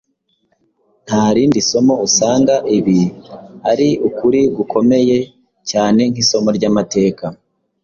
Nta rindi somo usanga ibi ari ukuri gukomeye cyane nk’isomo ry’amateka.